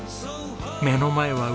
目の前は海。